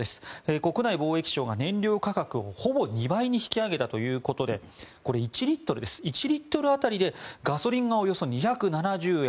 国内貿易省が燃料価格をほぼ２倍に引き上げたということでこれ、１リットル当たりでガソリンがおよそ２７０円